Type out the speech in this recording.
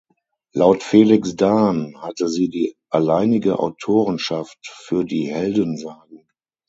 Laut Felix Dahn hatte sie die alleinige Autorenschaft für die "Heldensagen".